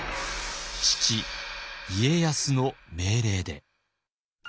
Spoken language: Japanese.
父家康の命令で。